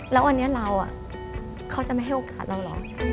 แล้ววันนี้เราเขาจะไม่ให้โอกาสเราเหรอ